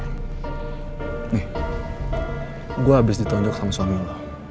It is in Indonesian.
nih gue abis ditunduk sama suami lu